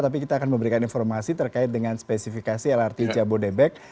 tapi kita akan memberikan informasi terkait dengan spesifikasi lrt jabodebek